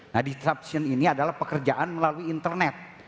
nah disruption ini adalah pekerjaan melalui internet